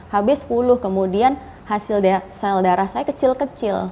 hb sepuluh kemudian hasil sel darah saya kecil kecil